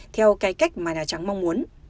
theo cái cách mà đà trắng mong muốn